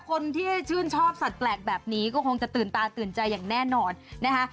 คนที่ชื่นชอบสัตว์แปลกแบบนี้ก็คงจะตื่นตาตื่นใจอย่างแน่นอนนะคะ